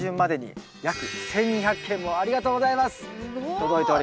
届いております。